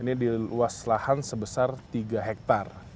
ini diluas lahan sebesar tiga hektar